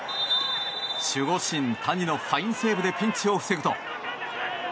守護神、谷のファインセーブでピンチを防ぐと。